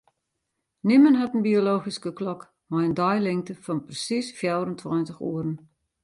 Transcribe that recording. Nimmen hat in biologyske klok mei in deilingte fan persiis fjouwerentweintich oeren.